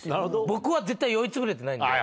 僕は絶対酔いつぶれてないんで。